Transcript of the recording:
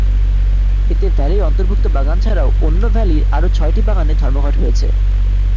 এতে ভ্যালির অন্তর্ভুক্ত বাগান ছাড়াও অন্য ভ্যালির আরও ছয়টি বাগানে ধর্মঘট হয়েছে।